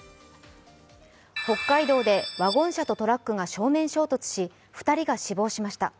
北海道でワゴン車とトラックが正面衝突し、２人が死亡しました。